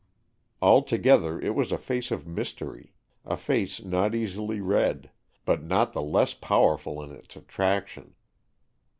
Altogether it was a face of mystery, a face not easily read, but not the less powerful in its attraction.